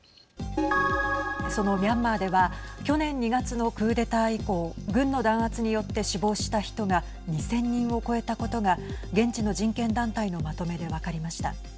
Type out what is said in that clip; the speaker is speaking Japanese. そのミャンマーでは去年２月のクーデター以降軍の弾圧によって死亡した人が２０００人を超えたことが現地の人権団体のまとめで分かりました。